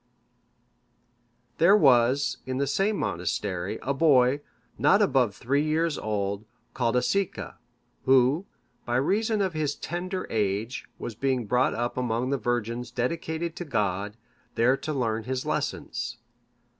] There was, in the same monastery, a boy, not above three years old, called Aesica; who, by reason of his tender age, was being brought up among the virgins dedicated to God, there to learn his lessons.